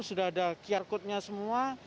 sudah ada qr code nya semua